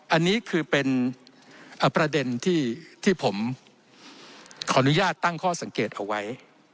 อันนี้คือเป็นประเด็นที่ผมขออนุญาตตั้งข้อสังเกตเอาไว้